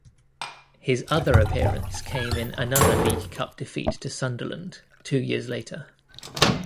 His other appearance came in another League Cup defeat to Sunderland two years later.